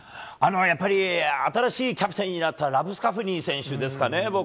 やっぱり新しいキャプテンになったラブスカフニ選手ですかね。